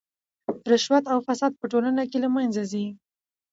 رشوت او فساد په ټولنه کې له منځه ځي.